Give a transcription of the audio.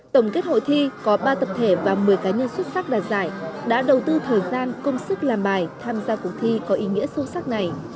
tổng kết hội thi có ba tập thể và một mươi cá nhân xuất sắc đạt giải đã đầu tư thời gian công sức làm bài tham gia cuộc thi có ý nghĩa sâu sắc này